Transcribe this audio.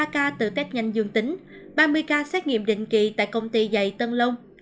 năm mươi ba ca tự phép nhanh dương tính ba mươi ca xét nghiệm định kỳ tại công ty dày tân long